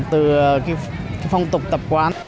từ phong tục tập quán